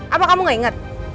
apa kamu gak inget